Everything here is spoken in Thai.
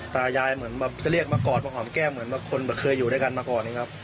ตายายเหมือนแบบจะเรียกมากอดมาหอมแก้มเหมือนคนเคยอยู่ด้วยกันมาก่อนนะครับ